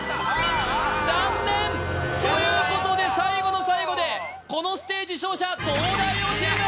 残念！ということで最後の最後でこのステージ勝者東大王チーム！